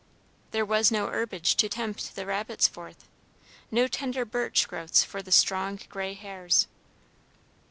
There was no herbage to tempt the rabbits forth, no tender birch growths for the strong gray hares.